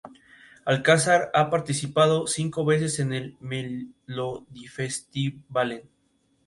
Es una especie bento-pelágica, asociada a arrecifes, en aguas claras superficiales.